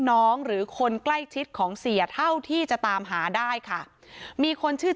หรือคนใกล้ชิดของเสียเท่าที่จะตามหาได้ค่ะมีคนชื่อ